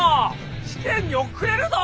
試験に遅れるど！